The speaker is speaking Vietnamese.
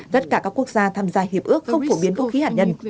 tất cả các quốc gia tham gia hiệp ước không phổ biến vũ khí hạt nhân